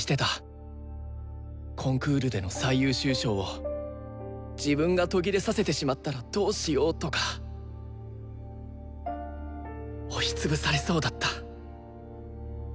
コンクールでの最優秀賞を「自分が途切れさせてしまったらどうしよう」とか押しつぶされそうだった。